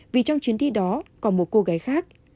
vì trong chuyến đi đó có một cô gái khác